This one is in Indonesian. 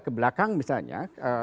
ke belakang misalnya